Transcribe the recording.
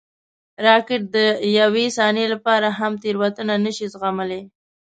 راکټ د یوې ثانیې لپاره هم تېروتنه نه شي زغملی